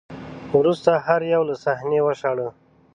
وروسته هر یو له صحنې وشاړه